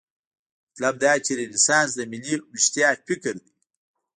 مطلب دا چې رنسانس د ملي ویښتیا فکر دی.